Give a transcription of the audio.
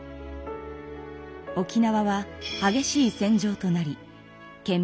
沖縄ははげしい戦場となり県民